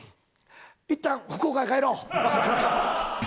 いったん福岡へ帰ろう。